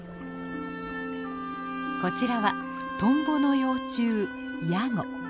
こちらはトンボの幼虫ヤゴ。